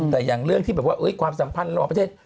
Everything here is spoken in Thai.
แต่อย่างเรื่องที่แบบว่าความสัมพันธ์ระหว่างประเทศ